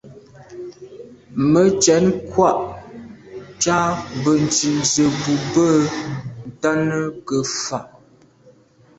Mə́ cwɛ̌d kwâ’ ncâ bə̀ncìn zə̄ bù bə̂ ntɔ́nə́ ngə́ fâ’.